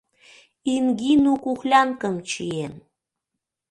Ингину кухлянкым чиен.